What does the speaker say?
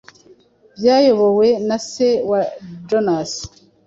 byayobowe na se wa Jonas